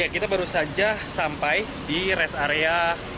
kita baru saja sampai di rest area lima ratus sembilan puluh tujuh